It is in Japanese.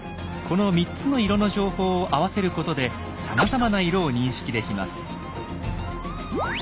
この３つの色の情報を合わせることでさまざまな色を認識できます。